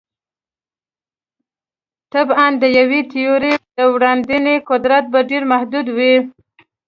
طبعاً د یوې تیورۍ د وړاندوینې قدرت به ډېر محدود وي.